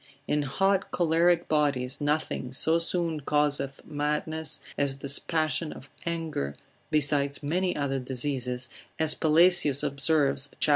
In hot choleric bodies, nothing so soon causeth madness, as this passion of anger, besides many other diseases, as Pelesius observes, cap.